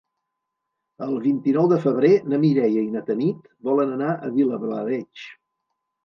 El vint-i-nou de febrer na Mireia i na Tanit volen anar a Vilablareix.